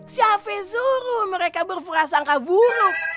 siapasih suruh mereka berperasangka buruk